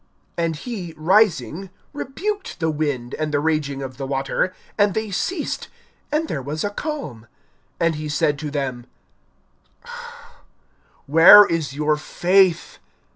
And he, rising, rebuked the wind and the raging of the water; and they ceased, and there was a calm. (25)And he said to them: Where is your faith?